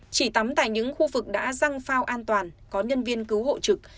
chỉ tắm tại những khu vực đã răng phao an toàn có nhân viên cứu hộ trực